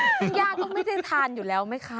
คุณย่าก็ไม่ได้ทานอยู่แล้วไหมคะ